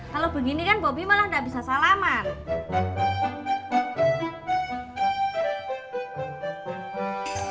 kalau begini kan bobi malah gak bisa salaman